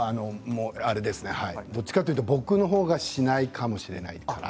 どちらかというと僕のほうがしないかもしれない。